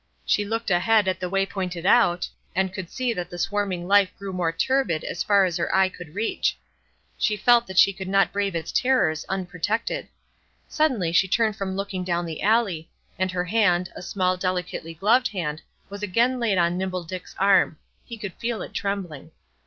She looked ahead at the way pointed out, and could see that the swarming life grew more turbid as far as her eye could reach. She felt that she could not brave its terrors unprotected. Suddenly she turned from looking down the alley, and her hand, a small, delicately gloved hand, was again laid on Nimble Dick's arm; he could feel it trembling.